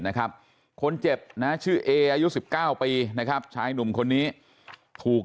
นะครับคนเจ็บนะชื่อเออายุ๑๙ปีนะครับชายหนุ่มคนนี้ถูก